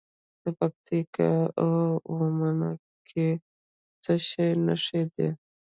د پکتیکا په اومنه کې د څه شي نښې دي؟